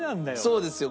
そうですよ。